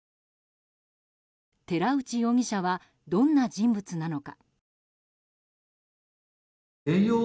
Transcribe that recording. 寺内容疑者はどんな人物なのか。